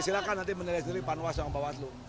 silahkan nanti menilai sendiri panwas sama bawas lu